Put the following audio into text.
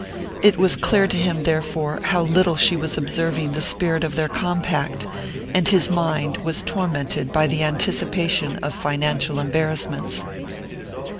It was clear to him, therefore, how little she was observing the spirit of their compact, and his mind was tormented by the anticipation of financial embarrassments.